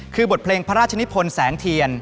คือบทเพลงพระราชนิพลแสงเทียน